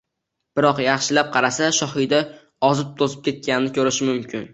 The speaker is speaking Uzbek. Biroq yaxshilab qaralsa, Shohida ozib-to‘zib ketganini ko‘rish mumkin